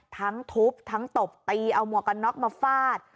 ทั้งทุบทั้งตบตีเอาหมวกกันน็อกมาฟาด